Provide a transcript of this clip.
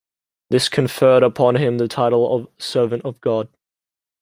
This conferred upon him the title of Servant of God.